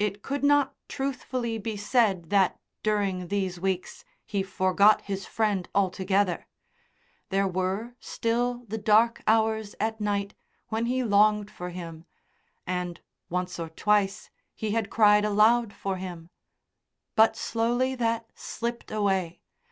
It could not truthfully be said that during these weeks he forgot his friend altogether. There were still the dark hours at night when he longed for him, and once or twice he had cried aloud for him. But slowly that slipped away.